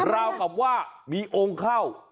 ราวกับว่ามีองค์เข้า